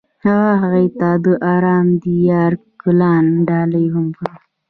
هغه هغې ته د آرام دریا ګلان ډالۍ هم کړل.